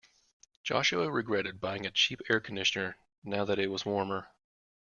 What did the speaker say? Joshua regretted buying a cheap air conditioner now that it was warmer.